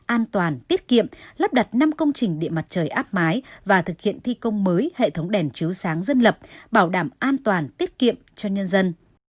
an toàn tiết kiệm lắp đặt năm công trình điện mặt trời áp mái và thực hiện thi công mới hệ thống đèn chiếu sáng dân lập bảo đảm an toàn tiết kiệm cho nhân dân